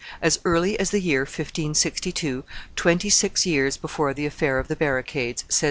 "As early as the year 1562, twenty six years before the affair of the barricades," says M.